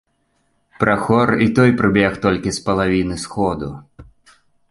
Прахор і той прыбег толькі з палавіны сходу.